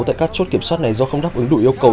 tại các chốt kiểm soát này do không đáp ứng đủ yêu cầu